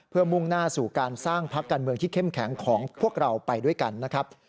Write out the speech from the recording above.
เพื่อมุ่งหน้าสู่การสร้างพักการเมืองที่เข้มแข็งของพวกเราไปด้วยกันนะครับ